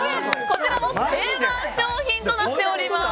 こちらも定番商品となっております。